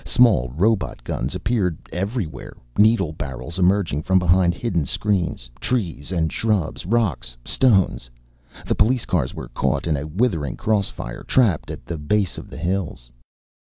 Small robot guns appeared everywhere, needle barrels emerging from behind hidden screens, trees and shrubs, rocks, stones. The police cars were caught in a withering cross fire, trapped at the base of the hills.